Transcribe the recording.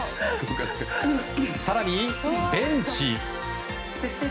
更に、ベンチ。